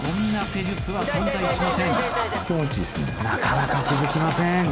なかなか気付きません。